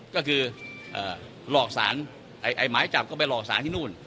ก็คือหลอกสารหมายจับก็ไปหลอกสารที่นู่น